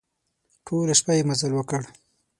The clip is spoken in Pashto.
ټوله شپه يې مزل وکړ.